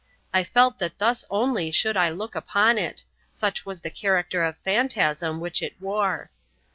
I felt that thus only should I look upon it—such was the character of phantasm which it wore.